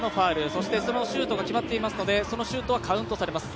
そして、そのシュートが決まっていますのでそのシュートはカウントされます。